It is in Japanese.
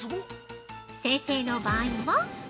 先生の場合は◆